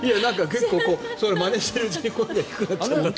結構それをまねしているうちに声が低くなっちゃったって。